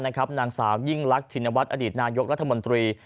นางสาวยิ่งรักชินวัฒน์อดีตนายกรัฐมนตรี